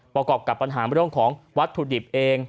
ประกอบกับปัญหาเรื่องของวัตถุดิบเอง